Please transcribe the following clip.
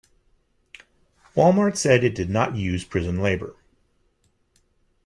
Walmart said it did not use prison labor.